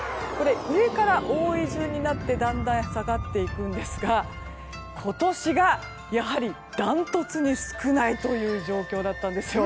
上から多い順になってだんだん下がっていくんですが今年がやはりダントツに少ない状況だったんです。